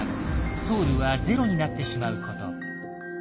ソウルはゼロになってしまうこと。